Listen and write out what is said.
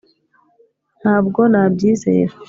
ntabwo nabyizera